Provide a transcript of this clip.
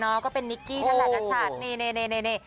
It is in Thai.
นอก็เป็นนิกกี้นี่นี่นี่